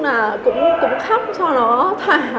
nói chung là cũng khóc cho nó thả